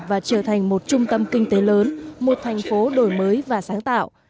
và trở thành một trung tâm kinh tế lớn một thành phố đổi mới và sáng tạo